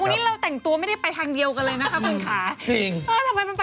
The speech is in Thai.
วันนี้เราแต่งตัวไม่ได้ไปทางเดียวกันเลยนะคะคุณคะ